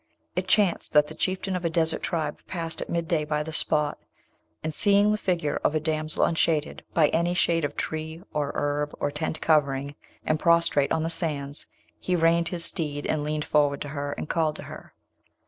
It chanced that the Chieftain of a desert tribe passed at midday by the spot, and seeing the figure of a damsel unshaded' by any shade of tree or herb or tent covering, and prostrate on the sands, he reined his steed and leaned forward to her, and called to her.